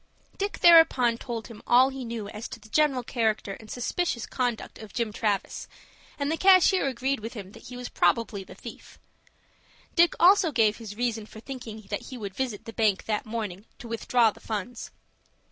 Dick thereupon told all he knew as to the general character and suspicious conduct of Jim Travis, and the cashier agreed with him that he was probably the thief. Dick also gave his reason for thinking that he would visit the bank that morning, to withdraw the funds.